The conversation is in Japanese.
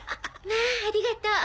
まあありがとう。